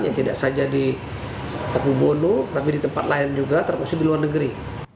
yang tidak saja di pakubono tapi di tempat lain juga termasuk di luar negeri